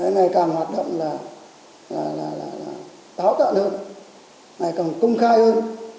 ngày càng hoạt động là táo tạo hơn ngày càng công khai hơn